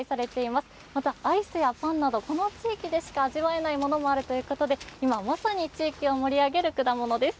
また、アイスやパンなどこの地域でしか味わえないものもあるということで今まさに地域を盛り上げる果物です。